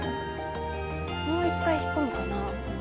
もう一回引っ込むかな？